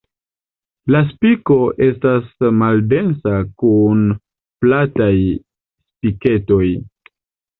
La spiko estas maldensa kun plataj spiketoj.